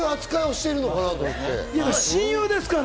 親友ですから。